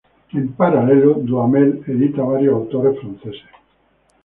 En paralelo, Duhamel edita varios autores franceses.